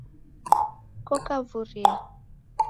koka Vuria?